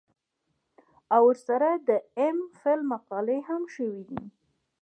او ورسره د ايم فل مقالې هم شوې دي